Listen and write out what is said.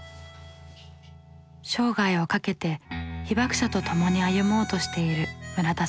生涯をかけて被爆者とともに歩もうとしている村田さん。